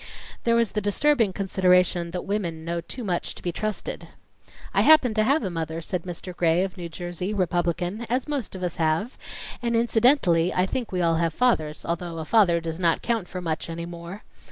There was the disturbing consideration that women know too much to be trusted. "I happen to have a mother," said Mr. Gray of New Jersey, Republican, "as most of us have, and incidentally I think we all have fathers, although a father does not count for much any more.